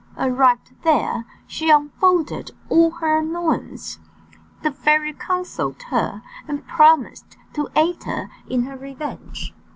Arrived there, she unfolded all her annoyances. The fairy consoled her, and promised to aid her in her revenge.